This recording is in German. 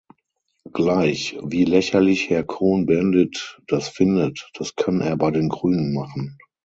Gleich, wie lächerlich Herr Cohn-Bendit das findet das kann er bei den Grünen machen!